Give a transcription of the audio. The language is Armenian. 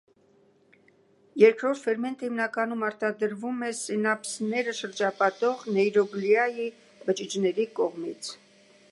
Երկրորդ ֆերմենտը հիմնականում արտադրվում է սինապսները շրջապատող նեյրոգլիայի բջիջների կողմից։